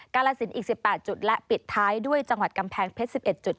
กาลสินอีก๑๘จุดและปิดท้ายด้วยจังหวัดกำแพงเพชร๑๑จุด